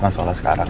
kan sholat sekarang